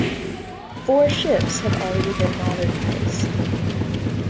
Four ships have already been modernized.